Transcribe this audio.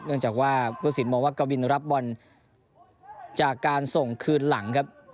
เนื่องจากว่าผู้สินมองว่ากวินรับบอลจากการส่งคืนหลังครับ